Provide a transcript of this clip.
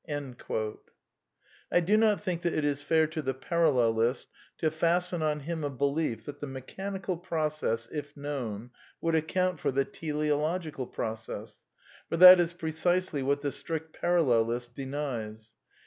(Body and Mind, Pages 174, 176.) I do not think that it is fair to the parallelist to fasten ^A on him a belief that the mechanical process, if Isnowir; would account for the teleological process ; for that is pre cisely what the strict Parallelist denies.